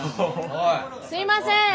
すいません！